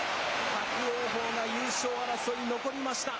伯桜鵬が優勝争い残りました。